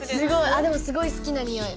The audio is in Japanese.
あっでもすごい好きなにおい！